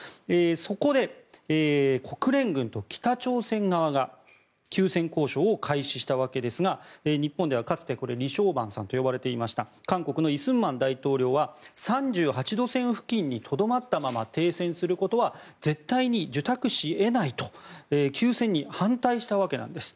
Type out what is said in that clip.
そこで、国連軍と北朝鮮側が休戦交渉を開始したわけですが日本では、かつてリ・ショウバンさんと呼ばれていました韓国の李承晩大統領は３８度線付近にとどまったまま停戦することは絶対に受託し得ないと休戦に反対したわけなんです。